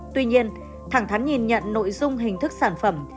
tuy nhiên thẳng thắn nhìn nhận nội dung hình thức sản phẩm